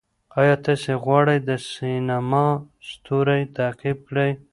آیا تاسې غواړئ د سینما ستوری تعقیب کړئ؟